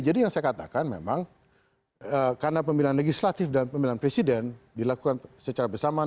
jadi yang saya katakan memang karena pemilihan legislatif dan pemilihan presiden dilakukan secara bersamaan